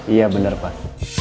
iya bener pak